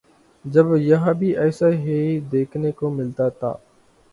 جب یہاں بھی ایسا ہی دیکھنے کو ملتا تھا۔